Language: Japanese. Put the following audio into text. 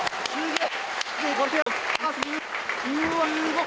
すごい！